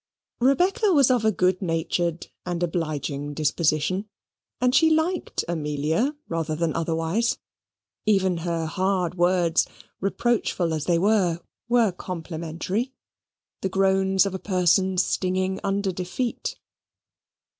Rebecca was of a good natured and obliging disposition; and she liked Amelia rather than otherwise. Even her hard words, reproachful as they were, were complimentary the groans of a person stinging under defeat.